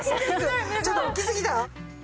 ちょっと大きすぎた？